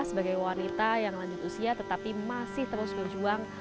sebagai wanita yang lanjut usia tetapi masih terus berjuang